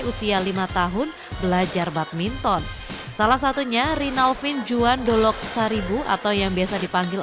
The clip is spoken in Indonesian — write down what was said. usia lima tahun belajar badminton salah satunya rinalvin juan dolok saribu atau yang biasa dipanggil